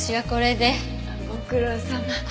ご苦労さま。